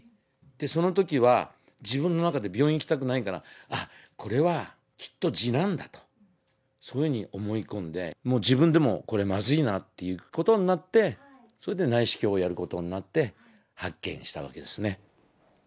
そのときは、自分の中で病院行きたくないから、これはきっと痔なんだと、そういうふうに思い込んで、もう自分でも、これまずいなということになって、それで内視鏡をやることになって、発見したわけですね。